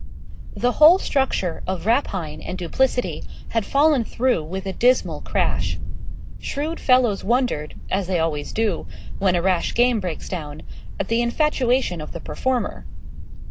The whole structure of rapine and duplicity had fallen through with a dismal crash. Shrewd fellows wondered, as they always do, when a rash game breaks down, at the infatuation of the performer.